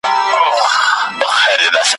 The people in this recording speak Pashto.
تر قیامته به پر خړو خاورو پلن یو `